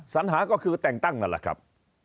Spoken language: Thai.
สัญหาก็คือแต่งตั้งนั่นแหละครับ